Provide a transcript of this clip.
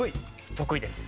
得意です。